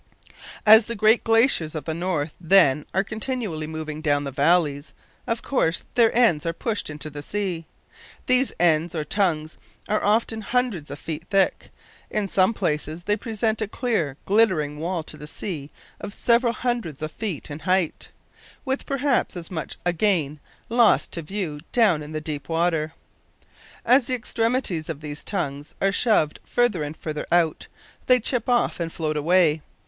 As the great glaciers of the north, then, are continually moving down the valleys, of course their ends are pushed into the sea. These ends, or tongues, are often hundreds of feet thick. In some places they present a clear glittering wall to the sea of several hundreds of feet in height, with perhaps as much again lost to view down in the deep water. As the extremities of these tongues are shoved farther and farther out they chip off and float away.